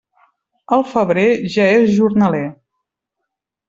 El febrer ja és jornaler.